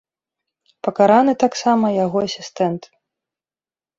Пакараны таксама яго асістэнт.